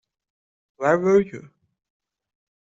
Where were you?